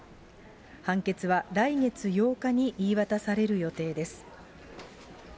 判決は来月８日に言い渡される予定です。